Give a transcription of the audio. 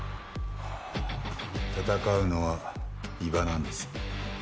戦うのは伊庭なんです。